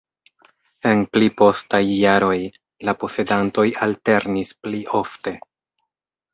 En pli postaj jaroj la posedantoj alternis pli ofte.